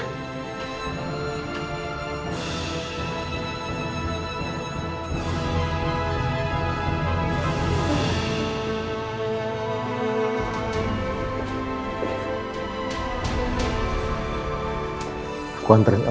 baik baik anak mama ya